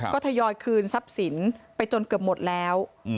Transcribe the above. ก็ทยอยคืนทรัพย์สินไปจนเกือบหมดแล้ว